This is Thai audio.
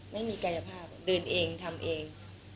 ไม่มีกายภาพเดินเองทำเอง